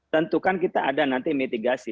tentukan kita ada nanti mitigasi